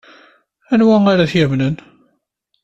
Anwa ara t-yamnen?